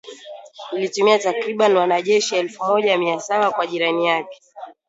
Ilituma takribani wanajeshi elfu moja mia saba kwa jirani yake